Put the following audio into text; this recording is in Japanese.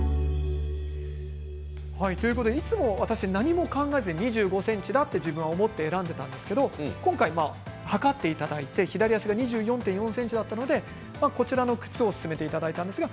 いつも私、何も考えずに２５ｃｍだと思って選んでいたんですが今回、測っていただいて左足が２４．４ｃｍだったのでこちらの靴を勧めていただきました。